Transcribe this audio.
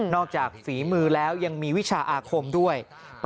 จากฝีมือแล้วยังมีวิชาอาคมด้วย